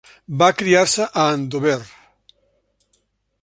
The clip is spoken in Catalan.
Va criar-se a Andover.